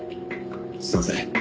すいません。